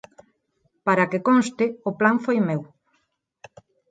Para que conste, o plan foi meu.